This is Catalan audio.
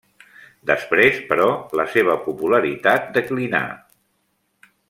Després, però, la seva popularitat declinà.